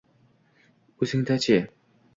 — Oʼzingizda-chi?